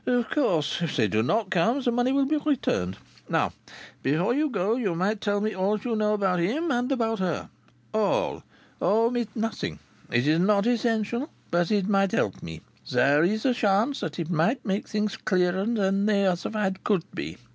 "Of course if they do not come the money will be returned. Now, before you go, you might tell me all you know about him, and about her. All. Omit nothing. It is not essential, but it might help me. There is a chance that it might make things clearer than they otherwise could be.